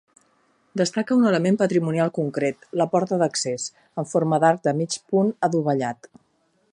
Destaca un element patrimonial concret, la porta d'accés, en forma d'arc de mig punt adovellat.